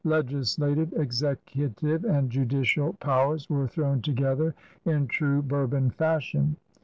Legislative, executive, and judicial powers were thrown together in true Bourbon fashion.